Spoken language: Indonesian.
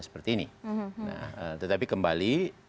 seperti ini tetapi kembali